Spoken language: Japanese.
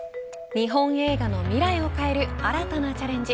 日本映画の未来を変える新たなチャレンジ。